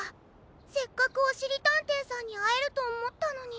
せっかくおしりたんていさんにあえるとおもったのに。